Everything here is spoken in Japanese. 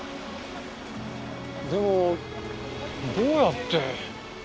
でもどうやって。